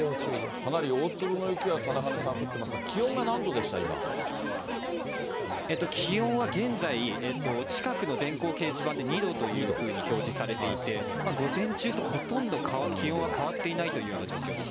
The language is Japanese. かなり大粒の雪が、貞包さん、降ってますが、気温は現在、近くの電光掲示板で２度というふうに表示されていて、午前中とほとんど気温は変わっていないというような状況です。